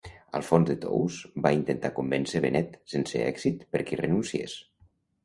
Alfons de Tous va intentar convèncer Benet, sense èxit, perquè hi renunciés.